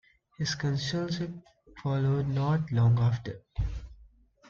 His consulship followed not long after.